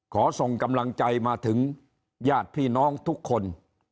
ขอส่งกำลังใจมาถึงญาติพี่น้องทุกคน